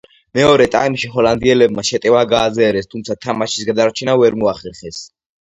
მეორე ტაიმში ჰოლანდიელებმა შეტევა გააძლიერეს, თუმცა თამაშის გადარჩენა ვეღარ მოახერხეს.